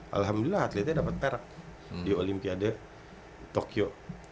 alhamdulillah atletnya dapat perak di olimpiade tokyo dua ribu dua puluh empat